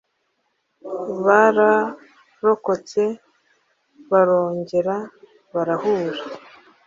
Bararokotse, barongera barahura